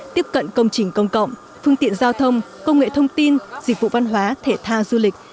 tiếp cận công trình công cộng phương tiện giao thông công nghệ thông tin dịch vụ văn hóa thể thao du lịch